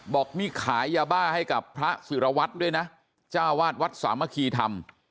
บอกมีขายาบ้าให้กับพระศิรวรรษด้วยนะเจ้าอาวาสวัดสามะคีธรรม